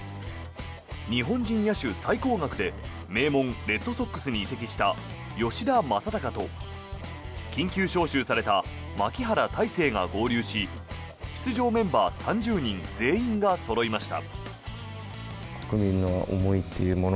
日本人野手最高額で名門レッドソックスに移籍した吉田正尚と緊急招集された牧原大成が合流し出場メンバー３０人全員がそろいました。